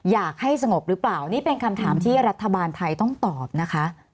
อยากให้สงบหรือเปล่านี่เป็นคำถามที่รัฐบาลไทยต้องตอบนะคะ